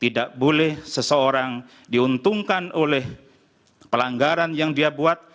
tidak boleh seseorang diuntungkan oleh pelanggaran yang dia buat